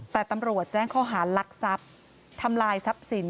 แต่ตำรวจแจ้งข้อหารักทรัพย์ทำลายทรัพย์สิน